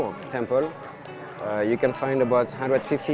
anda dapat menemukan satu ratus lima puluh makanan berbeda